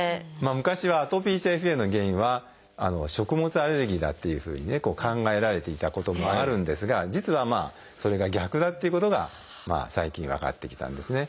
昔はアトピー性皮膚炎の原因は食物アレルギーだっていうふうにね考えられていたこともあるんですが実はそれが逆だっていうことが最近分かってきたんですね。